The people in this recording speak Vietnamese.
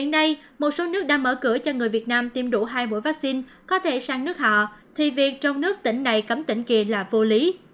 nếu việt nam tiêm đủ hai mũi vaccine có thể sang nước họ thì việc trong nước tỉnh này cấm tỉnh kia là vô lý